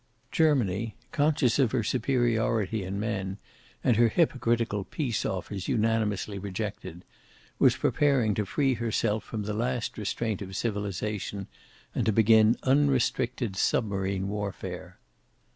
Germany, conscious of her superiority in men, and her hypocritical peace offers unanimously rejected, was preparing to free herself from the last restraint of civilization and to begin unrestricted submarine warfare.